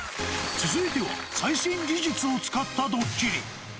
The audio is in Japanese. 続いては、最新技術を使ったドッキリ。